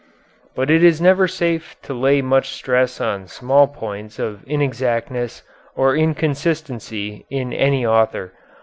"But it is never safe to lay much stress on small points of inexactness or inconsistency in any author.